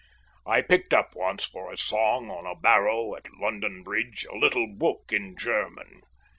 I picked up once for a song on a barrow at London Bridge a little book in German.